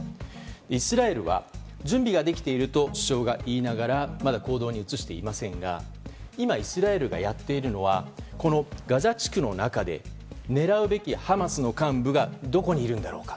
イスラエルは準備ができていると首相が言いながらまだ行動に移していませんが今、イスラエルがやっているのはガザ地区の中で狙うべきハマスの幹部がどこにいるんだろうか。